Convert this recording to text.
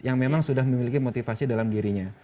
yang memang sudah memiliki motivasi dalam dirinya